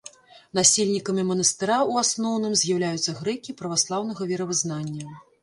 Насельнікамі манастыра ў асноўным з'яўляюцца грэкі праваслаўнага веравызнання.